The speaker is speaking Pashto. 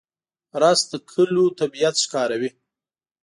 رس د کلیو طبیعت ښکاروي